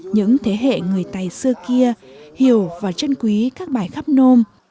những thế hệ người tài xưa kia hiểu và chân quý các bài khắp nôm